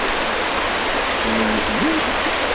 Teṭṭfem-iyi-ten-id.